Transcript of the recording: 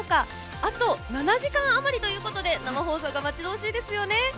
あと７時間余りということで生放送が待ち遠しいですよね